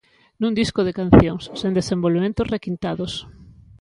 Nun disco de cancións, sen desenvolvementos requintados.